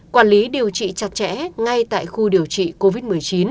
quản lý điều trị chặt chẽ ngay tại khu điều trị covid một mươi chín